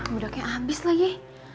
budaknya abis lagi